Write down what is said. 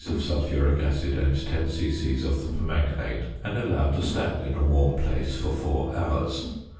of sulphuric acid and 10 c.c. of the permanganate, and allow to stand in a warm place for four hours.